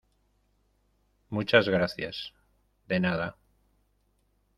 muchas gracias. de nada .